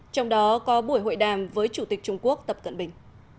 trong đó có buổi hội đàm với chủ tịch trung quốc tập cận bình